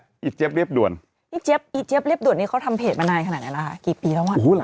ไอ้เจ๊บเรียบด่วนไอ้เจ๊บไอ้เจ๊บเรียบด่วนนี่เขาทำเพจมาไหนขนาดไหนล่ะ